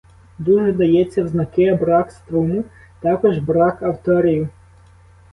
Дуже дається взнаки брак струму, також брак авторів.